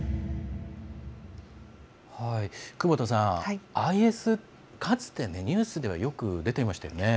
久保田さん、ＩＳってかつてニュースではよく出ていましたよね。